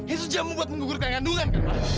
itu cuma untuk menggugurkan kandungan kan ma